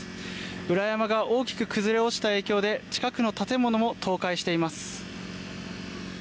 裏山が大きく崩れ落ちた影響で近くの建物も倒壊しています。